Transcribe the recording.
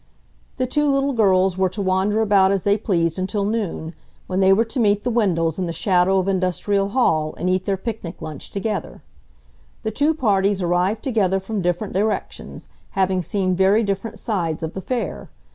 The two little girls were to wander about as they pleased until noon, when they were to meet the Wendells in the shadow of Industrial Hall and eat their picnic lunch together. The two parties arrived together from different directions, having seen very different sides of the Fair.